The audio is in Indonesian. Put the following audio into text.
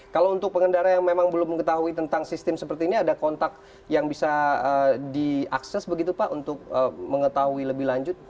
kalau untuk pengendara yang memang belum mengetahui tentang sistem seperti ini ada kontak yang bisa diakses begitu pak untuk mengetahui lebih lanjut